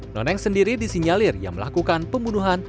noneng sendiri disinyalir yang melakukan pembunuhan